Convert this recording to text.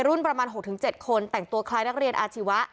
มีวัยรุ่นประมาณหกถึงเจ็ดคนแต่งตัวคลายนักเรียนอาชีวะ